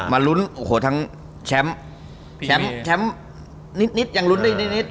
มารุ้นทั้งแชมป์แชมป์นิดอย่างรุ้นได้นิด